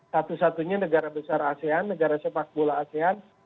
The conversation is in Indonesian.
satu satunya negara besar asean negara sepak bola asean